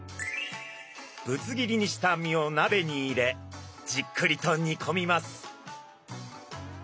ぶつ切りにした身をなべに入れじっくりと煮込みます。